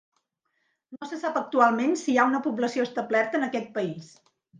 No se sap actualment si hi ha una població establerta en aquest país.